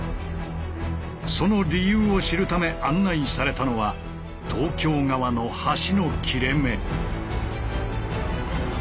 その理由を知るため案内されたのは東京側の橋の切れ目。